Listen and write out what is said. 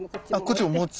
こっちも持つ。